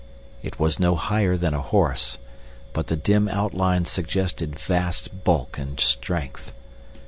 It was no higher than a horse, but the dim outline suggested vast bulk and strength.